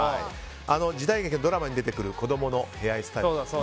時代劇やドラマに出てくる子供のヘアスタイルで。